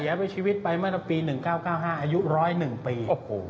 เสียไปชีวิตไปมาตั้งแต่ปี๑๙๙๕อายุ๑๐๑ปี